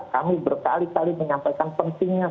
kami berkali kali menyampaikan pentingnya